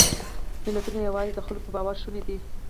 ملتونه یواځې د خلکو په باور شوني دي.